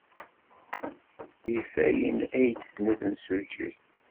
Get ayen ay d-tenna temsujjit.